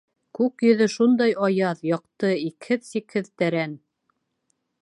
Күк йөҙө шундай аяҙ, яҡты, икһеҙ-сикһеҙ тәрән.